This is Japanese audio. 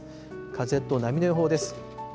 風と波の予報です。